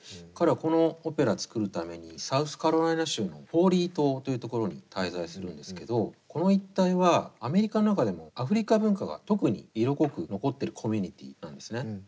彼はこのオペラ作るためにサウスカロライナ州のフォーリー島という所に滞在するんですけどこの一帯はアメリカの中でもアフリカ文化が特に色濃く残ってるコミュニティーなんですね。